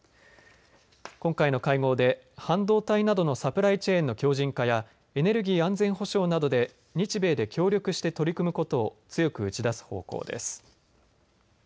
今回の会合で半導体などのサプライチェーンの強じん化やエネルギー安全保障などで日米で協力して取り組むことを強く打ち出す方向です。